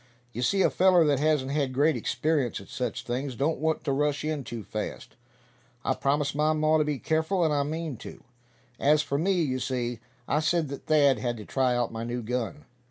You see, a feller that hasn't had great experience at such things don't want to rush in too fast. I promised my maw to be careful, and I mean to. As for me, you see, I said that Thad had to try out my new gun.